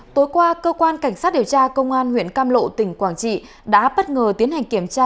tối qua cơ quan cảnh sát điều tra công an huyện cam lộ tỉnh quảng trị đã bất ngờ tiến hành kiểm tra